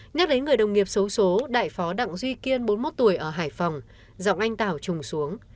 nhắc đến người đồng nghiệp xấu xố đại phó đặng duy kiên bốn mươi một tuổi ở hải phòng giọng anh tảo trùng xuống